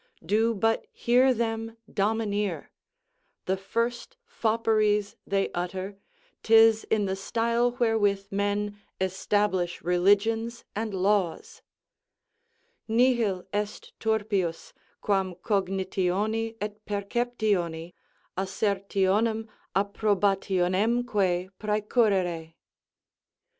Do but hear them domineer; the first fopperies they utter, 'tis in the style wherewith men establish religions and laws: "Nihil est turpius, quam cognitioni et perceptions assertionem approbationemque praecurrere."